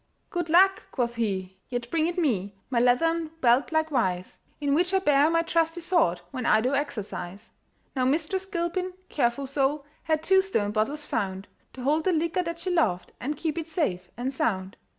"Good lack!" quoth he, "yet bring it me, My leathern belt likewise, In which I bear my trusty sword When I do exercise." Now Mistress Gilpin (careful soul!) Had two stone bottles found, To hold the liquor that she loved, And keep it safe and sound.